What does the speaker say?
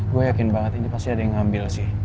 gue yakin banget ini pasti ada yang ngambil sih